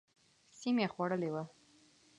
سیمه خوړلې وه.